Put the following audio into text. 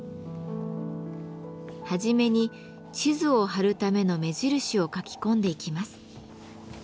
はじめに地図を貼るための目印を書き込んでいきます。